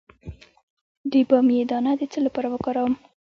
د بامیې دانه د څه لپاره وکاروم؟